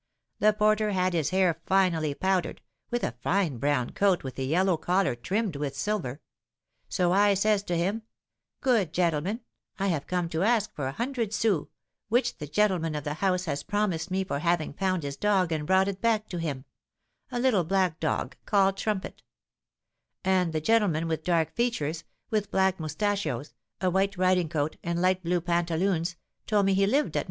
The porter had his hair finely powdered, with a fine brown coat with a yellow collar trimmed with silver. So I says to him, 'Good gentleman, I have come to ask for a hundred sous which the gentleman of the house has promised me for having found his dog and brought it back to him a little black dog called Trumpet; and the gentleman with dark features, with black moustachios, a white riding coat, and light blue pantaloons, told me he lived at No.